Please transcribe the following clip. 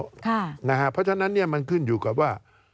เพราะฉะนั้นมันขึ้นอยู่กับว่า